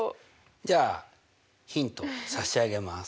じゃあヒント差し上げます。